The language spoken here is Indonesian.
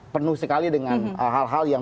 penuh sekali dengan hal hal yang